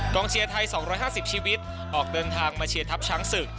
เชียร์ไทย๒๕๐ชีวิตออกเดินทางมาเชียร์ทัพช้างศึก